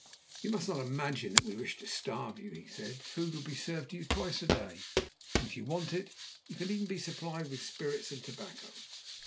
"You must not imagine that we wish to starve you," he said. "Food will be served to you twice a day. And if you want it, you can even be supplied with spirits and tobacco.